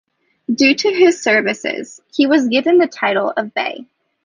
Due to his services, he was given the title of bey.